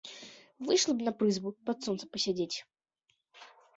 Выйшла б на прызбу пад сонца пасядзець.